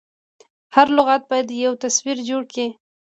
هر لغت باید یو تصویر جوړ کړي.